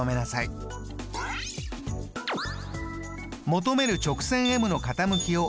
求める直線ｍの傾きを。